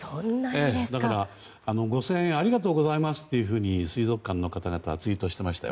だから、ご声援ありがとうございますと水族館の方々はツイートしていましたよ。